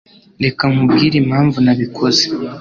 Reka nkubwire impamvu nabikoze.